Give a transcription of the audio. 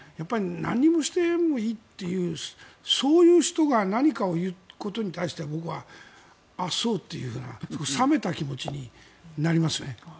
何をしてもいいというそういう人が何かを言うことに対して僕は、あ、そうというような冷めた気持ちになりますね。